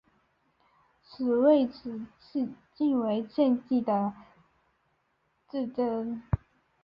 其位置即为现今的自治领剧院。